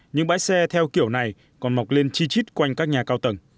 những bãi xe theo kiểu này còn mọc lên chi chít quanh các nhà cao tầng